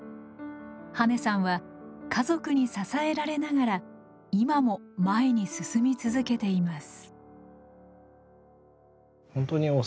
羽根さんは家族に支えられながら今も前に進み続けています。